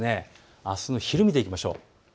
あすの昼を見ていきましょう。